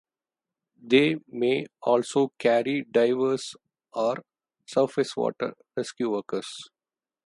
They may also carry divers or surface water rescue workers.